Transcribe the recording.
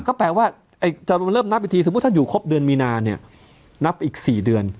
ก็แปลว่าจะเริ่มนับอีกทีสมมุติท่านอยู่ครบเดือนมีนาเนี่ยนับอีก๔เดือน